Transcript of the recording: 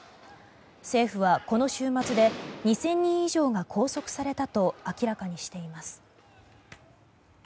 政府はこの週末で２０００人以上が拘束されたと明らかにしています。